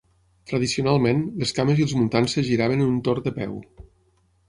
Tradicionalment, les cames i els muntants es giraven en un torn de peu.